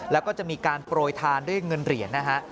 แล้วก็จะมีการโปรยทานด้วยเงินเหรียญนะฮะ